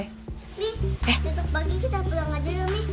ini besok pagi kita pulang aja ya mi